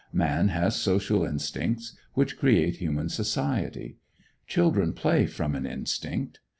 Man has social instincts, which create human society. Children play from an instinct.